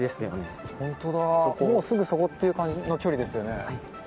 もうすぐそこっていう感じの距離ですよね。